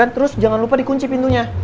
terus jangan lupa dikunci pintunya